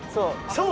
そう。